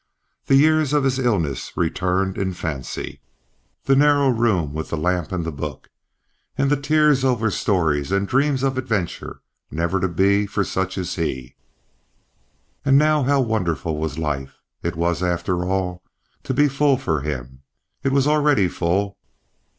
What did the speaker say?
The years of his illness returned in fancy, the narrow room with the lamp and the book, and the tears over stories and dreams of adventure never to be for such as he. And now how wonderful was life! It was, after all, to be full for him. It was already full.